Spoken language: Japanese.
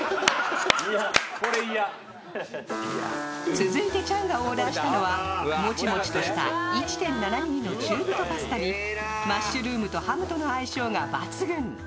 続いて、チャンがオーダーしたのはもちもちとした１．７ｍｍの中太パスタにマッシュルームとハムとの相性が抜群。